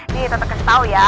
nih tante kasih tau ya